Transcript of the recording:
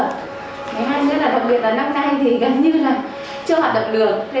thứ hai nếu là phòng viên là năm nay thì gần như là chưa hoạt động được